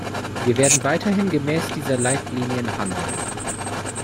Wir werden weiterhin gemäß dieser Leitlinien handeln.